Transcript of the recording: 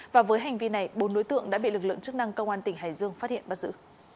và với hành vi này bốn đối tượng đã bị lực lượng chức năng công an tỉnh hải dương phát hiện bắt giữ